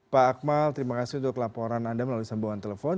pak akmal terima kasih untuk laporan anda melalui sambungan telepon